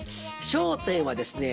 『笑点』はですね